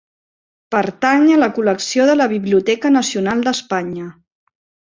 Pertany a la col·lecció de la Biblioteca Nacional d'Espanya.